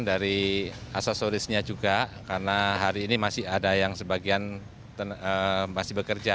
jadi asesorisnya juga karena hari ini masih ada yang sebagian masih bekerja